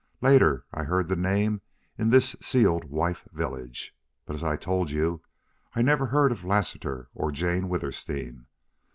Later I heard the name in this sealed wife village. But, as I told you, I never heard of Lassiter or Jane Withersteen.